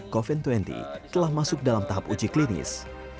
covid dua puluh telah masuk dalam tahap uji klinis